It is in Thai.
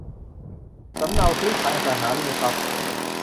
สำเนาซื้อขายอสังหาริมทรัพย์